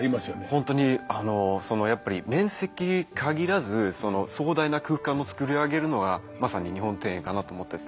本当にやっぱり面積限らず壮大な空間をつくり上げるのがまさに日本庭園かなと思ってて。